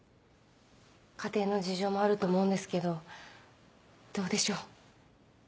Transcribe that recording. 家庭の事情もあると思うんですけどどうでしょう？